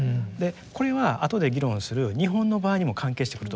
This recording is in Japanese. これはあとで議論する日本の場合にも関係してくると思うんですよ。